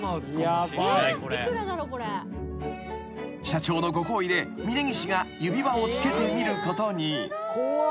［社長のご厚意で峯岸が指輪を着けてみることに］